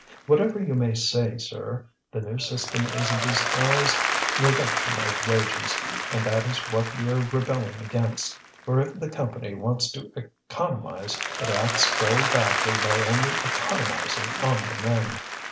Whatever you may say, sir, the new system is a disguised reduction of wages, and that is what we are rebelling against, for if the Company wants to economize it acts very badly by only economizing on the men."